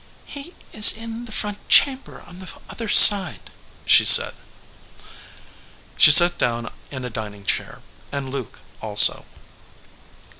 "He is in the front chamber on the other side," she said. She sat down in a dining chair, and Luke also.